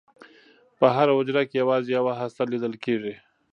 په هره حجره کې یوازې یوه هسته لیدل کېږي.